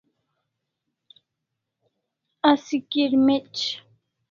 Asi kirmec'